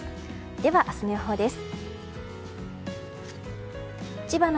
では明日の予報です。